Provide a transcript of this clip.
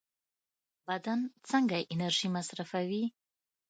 بدن څنګه انرژي مصرفوي؟